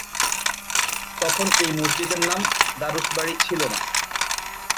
তখন এই মসজিদ এর নাম দারুস বাড়ী ছিল না।